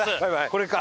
これか！